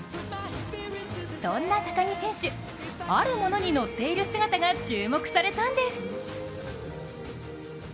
そんな高木選手、あるものに乗っている姿が注目されたんです。